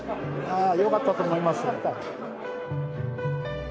よかったと思います。